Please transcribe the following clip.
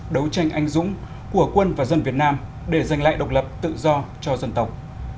đấu tranh anh dũng của quân và dân việt nam để giành lại độc lập tự do cho dân tộc